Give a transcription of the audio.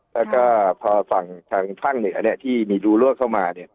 พอฝั่งฝั่งฝั่งเหนือที่มีรูรั่วเข้ามา